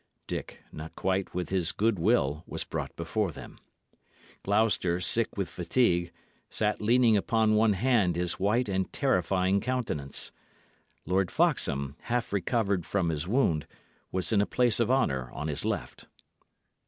Dick, not quite with his good will, was brought before them. Gloucester, sick with fatigue, sat leaning upon one hand his white and terrifying countenance; Lord Foxham, half recovered from his wound, was in a place of honour on his left.